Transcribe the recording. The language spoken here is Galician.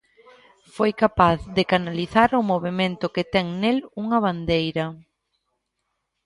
Foi capaz de canalizar o movemento que ten nel nunha bandeira.